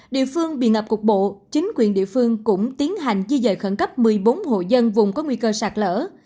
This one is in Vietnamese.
địa phương bị ngập cục bộ chính quyền địa phương cũng tiến hành di dời khẩn cấp một mươi bốn hộ dân vùng có nguy cơ sạt lở